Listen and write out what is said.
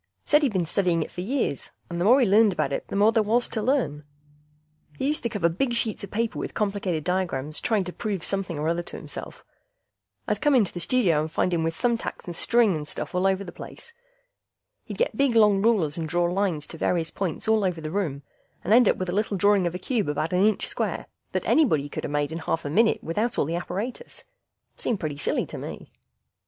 Said he'd been studying it for years, and the more he learned about it the more there was to learn. He used to cover big sheets of paper with complicated diagrams trying to prove something or other to himself. I'd come into the studio and find him with thumb tacks and strings and stuff all over the place. He'd get big long rulers and draw lines to various points all over the room, and end up with a little drawing of a cube about an inch square that anybody coulda made in a half a minute without all the apparatus. Seemed pretty silly to me.